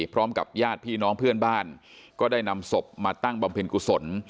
พร้อมกับญาติพี่น้องเพื่อนบ้านก็ได้นำศพมาตั้งบำเพ็ญกุศล